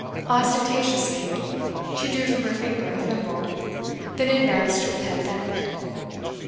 Ostentatiously she drew from her finger a thimble, then advanced with head bent.